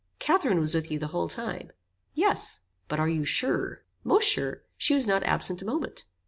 "Catherine was with you the whole time?" "Yes." "But are you sure?" "Most sure. She was not absent a moment."